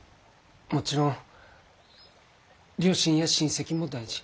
もちろん両親や親戚も大事。